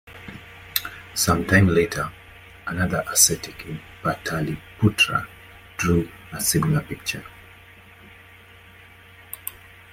Sometime later, another ascetic in Pataliputra drew a similar picture.